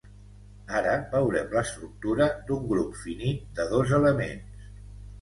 Ara veurem l'estructura d'un grup finit de dos elements.